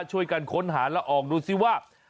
ช่วยกันค้นหาแล้วออกดูซิว่า